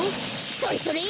それそれ！